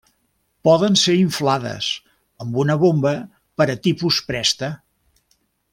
Poden ser inflades amb una bomba per a tipus Presta.